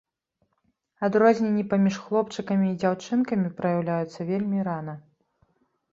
Адрозненні паміж хлопчыкамі і дзяўчынкамі праяўляюцца вельмі рана.